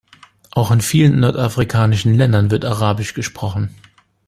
Auch in vielen nordafrikanischen Ländern wird arabisch gesprochen.